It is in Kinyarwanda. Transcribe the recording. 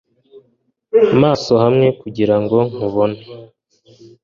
maso hawe kugira ngo nkubone